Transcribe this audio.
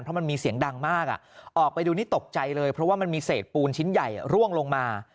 เพราะมันมีเสียงดังมากออกไปดูนี่ตกใจเลยเพราะว่ามันมีเศษปูนชิ้นใหญ่ร่วงลงมา